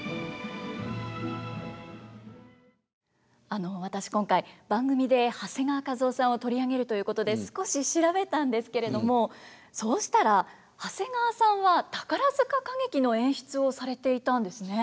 あの私今回番組で長谷川一夫さんを取り上げるということで少し調べたんですけれどもそうしたら長谷川さんは宝塚歌劇の演出をされていたんですね。